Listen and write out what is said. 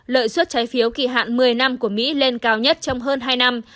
lợi suất trái phiếu kỳ hạn một mươi năm của mỹ lên cao nhất trong hơn hai năm